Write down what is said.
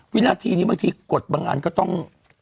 วินาทีนี้บางทีกดบางอันก็ต้อง